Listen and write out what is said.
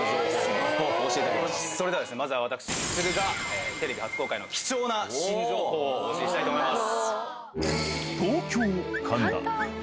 それではまずは私ＳＵＳＵＲＵがテレビ初公開の貴重な新情報をお教えしたいと思います。